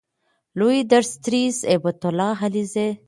لوی درستیز هیبت الله علیزی